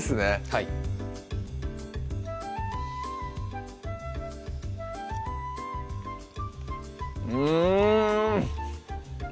はいうん！